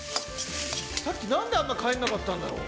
さっき何であんな返んなかったんだろう？